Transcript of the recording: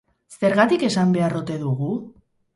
Zergatik esan behar ote dugu?